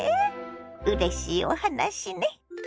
うれしいお話ね。